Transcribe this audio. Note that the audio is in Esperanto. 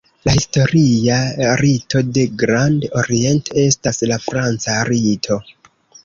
La historia rito de Grand Orient estas la franca rito.